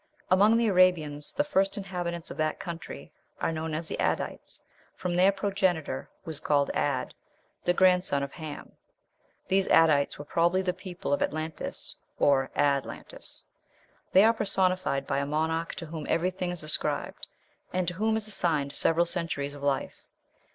Among the Arabians the first inhabitants of that country are known as the Adites, from their progenitor, who is called Ad, the grandson of Ham. These Adites were probably the people of Atlantis or Ad lantis. "They are personified by a monarch to whom everything is ascribed, and to whom is assigned several centuries of life."